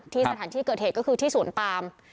ที่สถานที่เกิดเหตุก็คือที่ศูนย์ปาม